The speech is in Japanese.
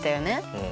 うん。